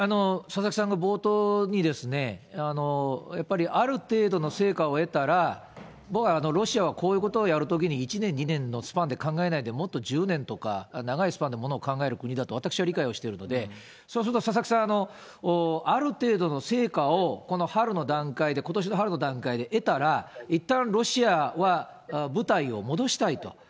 佐々木さんが冒頭にですね、やっぱりある程度の成果を得たら、ロシアはこういうことをやるときに１年、２年のスパンで考えないで、もっと１０年とか、長いスパンでものを考える国だと私は理解をしているので、そうすると佐々木さん、ある程度の成果をこの春の段階で、ことしの春の段階で得たら、いったんロシアは、部隊を戻したいと。